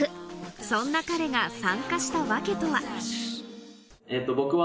そんな彼が参加した訳とは？